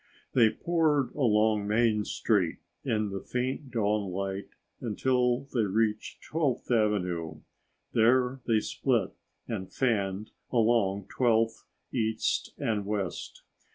They poured along Main Street in the faint dawnlight until they reached 12th Avenue. There, they split and fanned along 12th, east and west.